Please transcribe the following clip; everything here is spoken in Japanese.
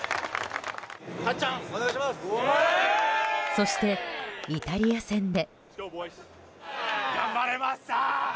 そしてイタリア戦で。